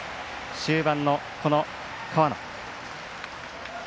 終盤の河野。